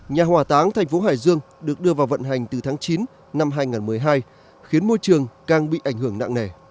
nhà hỏa táng thành phố hải dương được đưa vào vận hành từ tháng chín năm hai nghìn một mươi hai khiến môi trường càng bị ảnh hưởng nặng nề